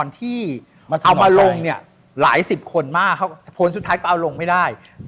ที่จะเอาลงได้